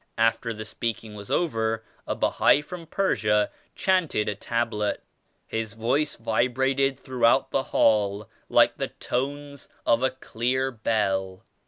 After the speaking was over, a Bahai from Persia chanted a Tablet. His voice vib rated throughout the hall like the tones of a clear bell.